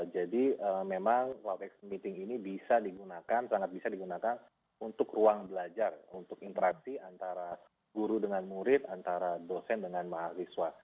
jadi memang cloudx meeting ini bisa digunakan sangat bisa digunakan untuk ruang belajar untuk interaksi antara guru dengan murid antara dosen dengan mahasiswa